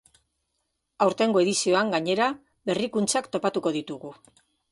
Aurtengo edizioan, gainera, berrikuntzak topatuko ditugu.